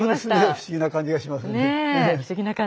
ねえ不思議な感じがしますね。